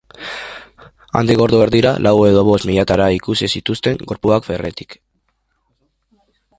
Handik ordu erdira, lau edo bost miliatara ikusi zituzten gorpuak ferrytik.